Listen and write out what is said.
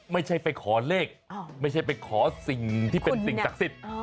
ไม่ใช่ไปขอเลขไม่ใช่ไปขอสิ่งที่เป็นสิ่งศักดิ์สิทธิ์